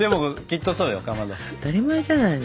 当たり前じゃないの。